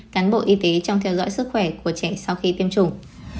cán bộ y tế trong theo dõi sức khỏe của trẻ sau khi tiêm chủng